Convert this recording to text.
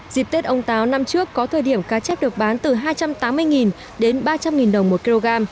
dịp tết ông táo năm trước có thời điểm cá chép được bán từ hai trăm tám mươi đến ba trăm linh đồng một kg